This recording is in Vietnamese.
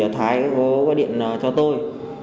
thái có điện cho tôi